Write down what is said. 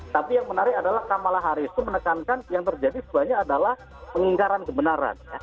tapi yang menarik adalah kamala harris itu menekankan yang terjadi sebenarnya adalah pengingkaran kebenaran